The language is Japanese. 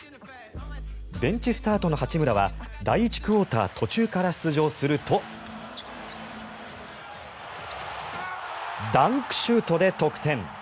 ベンチスタートの八村は第１クオーター途中から出場するとダンクシュートで得点。